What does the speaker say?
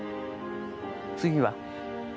次は？